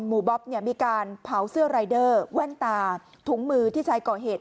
บ๊อบเนี่ยมีการเผาเสื้อรายเดอร์แว่นตาถุงมือที่ใช้ก่อเหตุ